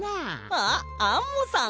あっアンモさん